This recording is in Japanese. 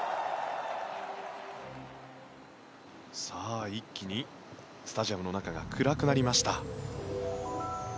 さあ、一気にスタジアムの中が暗くなりました。